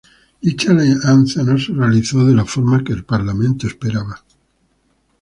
Dicha alianza no se realizó de la forma que el parlamento esperaba.